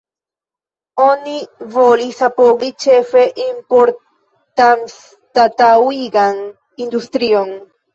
Oni volis apogi ĉefe importanstataŭigan industrion.